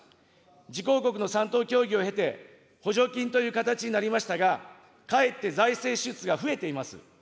自公国の３党協議を経て、補助金という形になりましたが、かえって財政支出が増えています。